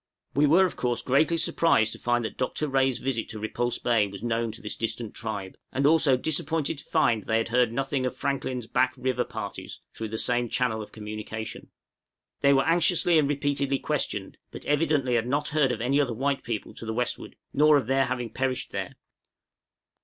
We were of course greatly surprised to find that Dr. Rae's visit to Repulse Bay was known to this distant tribe; and also disappointed to find they had heard nothing of Franklin's Back River parties through the same channel of communication. They were anxiously and repeatedly questioned, but evidently had not heard of any other white people to the westward, nor of their having perished there.